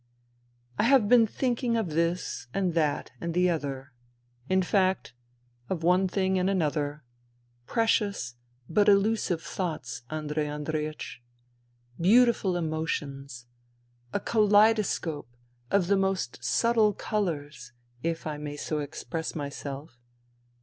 " I have been thinking of this and that and the other, in fact, of one thing and another — precious but elusive thoughts, Andrei Andreiech. Beautiful emotions. A kaleidoscope of the most subtle colours, if I may so express myself.